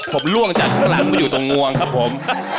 ผมล่วงจากข้างหลังมาอยู่ตรงงวงครับผม